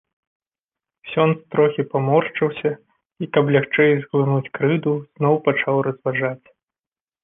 Ксёндз трохі паморшчыўся і, каб лягчэй зглынуць крыўду, зноў пачаў разважаць.